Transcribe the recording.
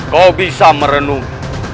kau bisa merenung